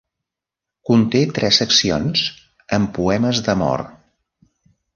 Conté tres seccions amb poemes d'amor.